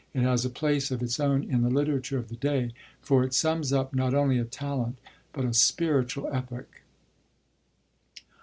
It has a place of its own in the literature of the day, for it sums up, not only a talent, but a spiritual epoch.